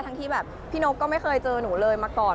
ที่แบบพี่นกก็ไม่เคยเจอหนูเลยมาก่อน